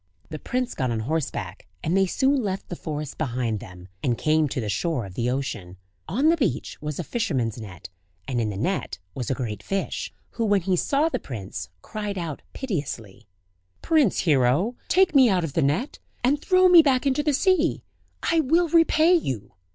The prince got on horseback, and they soon left the forest behind them, and came to the shore of the ocean. On the beach was a fisherman's net, and in the net was a great fish, who when he saw the prince, cried out piteously: "Prince Hero! take me out of the net, and throw me back into the sea; I will repay you!"